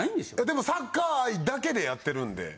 でもサッカー愛だけでやってるんで。